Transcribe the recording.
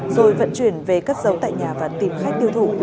rồi vận chuyển về cất giấu tại nhà và tìm khách tiêu thụ